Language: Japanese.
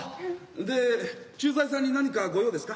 で駐在さんに何か御用ですか？